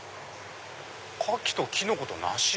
「牡蠣とキノコと梨」